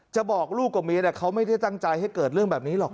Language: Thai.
บอกลูกกับเมียแต่เขาไม่ได้ตั้งใจให้เกิดเรื่องแบบนี้หรอก